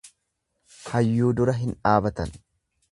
Hayyuu dura hin dubbatan.